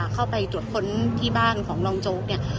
เข้าไปตรวจค้นที่บ้านของรองโจ๊กเนี่ย